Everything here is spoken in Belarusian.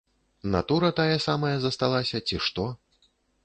Натура тая самая засталася, ці што.